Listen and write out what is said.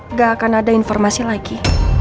nggak akan ada informasi lagi